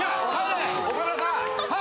岡村さん。